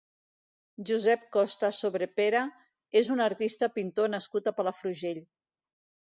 Josep Costa Sobrepera és un artista pintor nascut a Palafrugell.